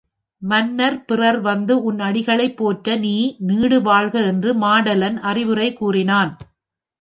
மன்னர் பிறர் வந்து உன் அடிகளைப் போற்ற நீ நீடு வாழ்க! என்று மாடலன் அறவுரை கூறினான்.